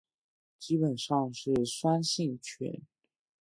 基本上是酸性泉。